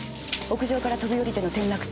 屋上から飛び下りての転落死。